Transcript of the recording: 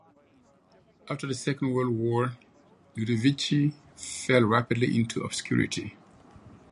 After the Second World War, Ludovici fell rapidly into obscurity.